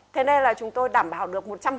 thế nên là chúng tôi đảm bảo được